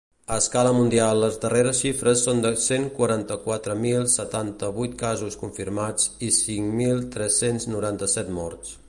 A escala mundial les darreres xifres són de cent quaranta-quatre mil setanta-vuit casos confirmats i cinc mil tres-cents noranta-set morts.